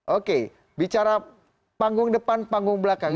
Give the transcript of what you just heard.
oke bicara panggung depan panggung belakang